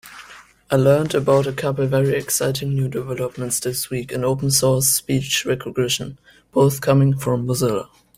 I learned about a couple very exciting new developments this week in open source speech recognition, both coming from Mozilla.